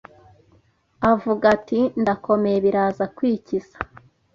avuga ati ndakomeye biraza kwikiza,